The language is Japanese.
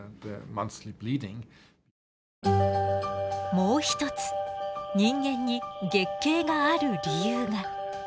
もう一つ人間に月経がある理由が。